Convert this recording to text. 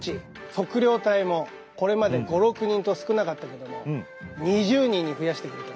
測量隊もこれまで５６人と少なかったけども２０人に増やしてくれた。